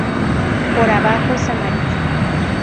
Por abajo es amarillo.